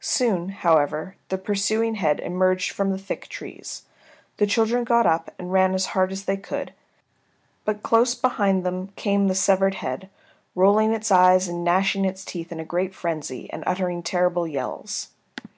Soon, however, the pursuing head emerged from the thick trees. The children got up and ran as hard as they could, but close behind them came the severed head, rolling its eyes and gnashing its teeth in a great frenzy, and uttering terrible yells.